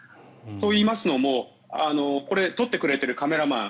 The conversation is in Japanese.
といいますのも、これを撮ってくれているカメラマン。